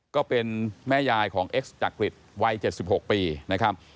ก็เป็นแม่ยายของเอ็กซ์จักริตวัย๗๖ปีนะครับ